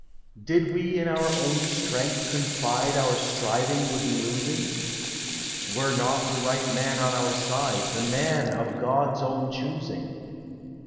Did we in our own strength confide, Our striving would be losing; Were not the right man on our side, The man of God's own choosing.